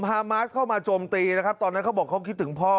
ฮามาสเข้ามาโจมตีนะครับตอนนั้นเขาบอกเขาคิดถึงพ่อ